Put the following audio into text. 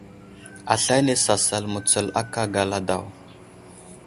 Aslane sasal mətsul aka gala daw.